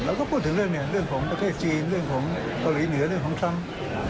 ต้องพูดถึงเรื่องนี้เรื่องของประเทศจีนเรื่องของเกาหลีเหนือเรื่องของทรัมป์